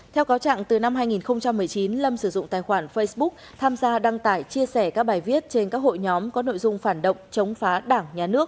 theo cáo trạng từ năm hai nghìn một mươi chín lâm sử dụng tài khoản facebook tham gia đăng tải chia sẻ các bài viết trên các hội nhóm có nội dung phản động chống phản động